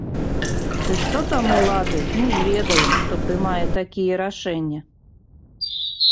Ды што там улады, мы ж ведаем, хто прымае такія рашэнне.